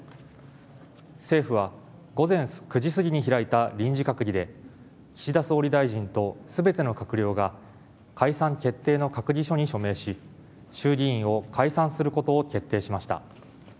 政府は午前９時過ぎに開いた臨時閣議で岸田総理大臣とすべての閣僚が解散決定の閣議書に署名し、衆議院を解散することを決定しました。